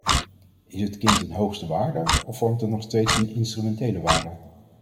Is het kind een hoogste waarde of vormt het nog steeds een instrumentele waarde?